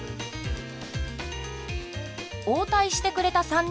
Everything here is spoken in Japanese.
応対してくれた３人。